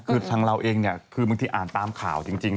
คือทางเราเองเนี่ยคือบางทีอ่านตามข่าวจริง